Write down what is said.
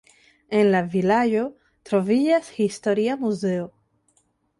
En la vilaĝo troviĝas historia muzeo.